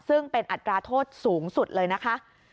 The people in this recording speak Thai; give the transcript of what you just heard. ซึ่งเป็นอัตราโทษสูงสุดเลยนะคะ